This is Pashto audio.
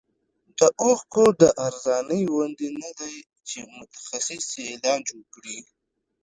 د اوښکو د ارزانۍ غوندې نه دی چې متخصص یې علاج وکړي.